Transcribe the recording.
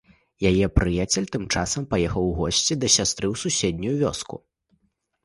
Яе прыяцель тым часам паехаў у госці да сястры ў суседнюю вёску.